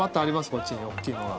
こっちに大きいのが。